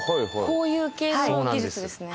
こういう系の技術ですね。